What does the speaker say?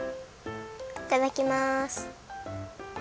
いただきます。